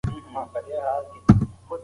مور د ماشوم د خوراک توازن برابروي.